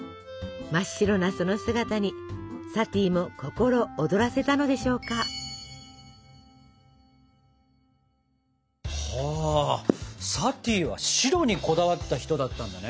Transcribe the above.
真っ白なその姿にサティも心躍らせたのでしょうか。はサティは「白」にこだわった人だったんだね。